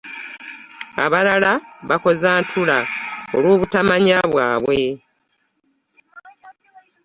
Abalala bakoza ntula olw'obutamanya bwabwe.